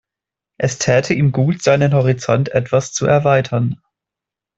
Es täte ihm gut, seinen Horizont etwas zu erweitern.